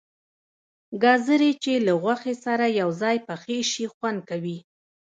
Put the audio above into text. گازرې چې له غوښې سره یو ځای پخې شي خوند کوي.